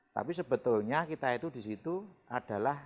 tapi sebetulnya kita itu di situ adalah